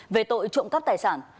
về tội trộm cắp tài sản